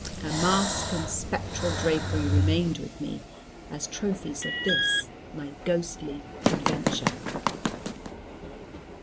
Her mask and spectral drapery remained with me, as trophies of this my ghostly adventure.